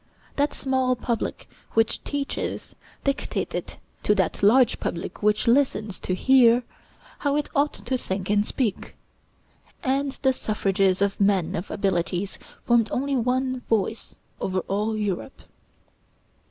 That small public which teaches, dictated to that large public which listens to hear, how it ought to think and speak; and the suffrages of men of abilities formed only one voice over all Europe.